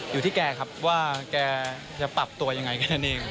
อยู่ที่แกครับว่าแกจะปรับตัวยังไงกันเอง